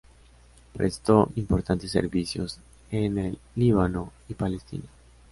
Prestó importantes servicios en el Líbano y Palestina.